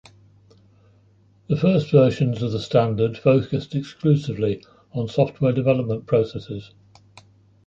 The first versions of the standard focused exclusively on software development processes.